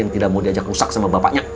yang tidak mau diajak rusak sama bapaknya